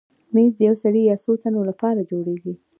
مېز د یو سړي یا څو تنو لپاره جوړېږي.